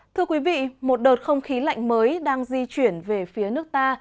thưa quý vị một đợt không khí lạnh mới đang di chuyển về phía nước ta